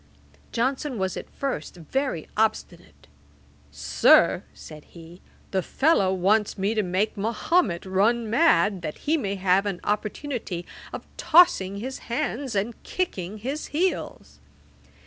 Johnson was at first very obstinate. 'Sir, (said he) the fellow wants me to make Mahomet run mad, that he may have an opportunity of tossing his hands and kicking his heels.'